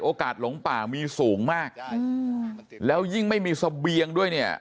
หลงป่ามีสูงมากแล้วยิ่งไม่มีเสบียงด้วยเนี่ย